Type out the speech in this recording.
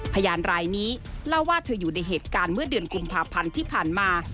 พยานรายนี้เล่าว่าเธออยู่ในเหตุการณ์เมื่อเดือนกุมภาพันธ์ที่ผ่านมา